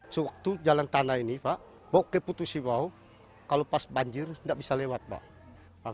sewaktu jalan tanah ini pak bok keputusian kalau pas banjir tidak bisa lewat pak